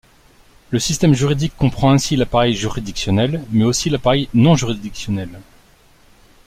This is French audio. Le système juridique comprend ainsi l'appareil juridictionnel, mais aussi l'appareil non-juridictionnel.